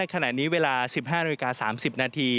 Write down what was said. ขณะนี้เวลา๑๕นาฬิกา๓๐นาที